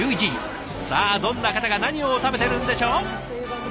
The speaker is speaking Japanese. さあどんな方が何を食べてるんでしょう？